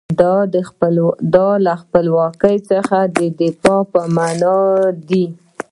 دا له خپلواکۍ څخه د دفاع په معنی دی.